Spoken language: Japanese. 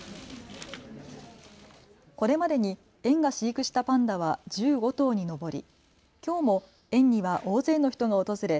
これまでに園が飼育したパンダは１５頭に上り、きょうも園には大勢の人が訪れ